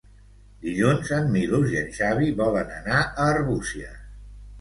Dilluns en Milos i en Xavi volen anar a Arbúcies.